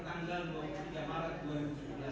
tentang saya adalah bapak ibu ya